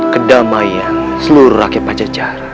kedamaian seluruh rakyat pacejar